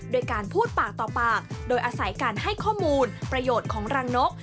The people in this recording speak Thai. โดยการพูดปากต่อปากโดยอาศัยการให้ข้อมูลประโยชน์ของรังนก